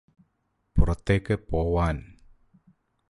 പുറത്തേക്ക് പോവാൻ